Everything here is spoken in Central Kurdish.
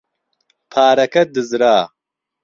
پارەکە دزرا.